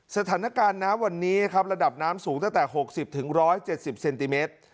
สถานการณ์นะวันนี้ครับระดับน้ำสูงตั้งแต่หกสิบถึงร้อยเจ็ดสิบเซนติเมตร